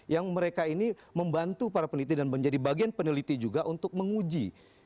yang mereka ini membantu para peneliti dan menjadi bagian peneliti juga untuk menguji